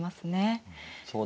そうですね。